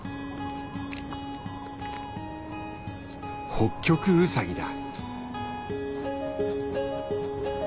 ホッキョクウサギだ。